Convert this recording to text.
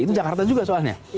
itu jakarta juga soalnya